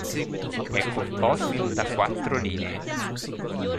È composto da quattro linee.